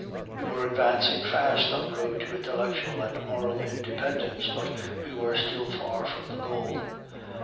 We were advancing fast on the road to intellectual and moral independence, but we were still far from the goal.